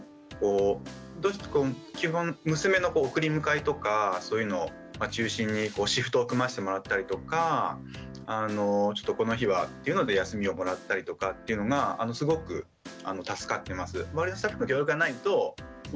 基本娘の送り迎えとかそういうのを中心にシフトを組ませてもらったりとかちょっとこの日はっていうので休みをもらったりとかっていうのがすごく助かってます。